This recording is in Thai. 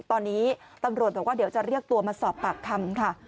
ตอนนี้ตำรวจบอกว่าเดี๋ยวจะเรียกตัวมาสอบปากคำค่ะ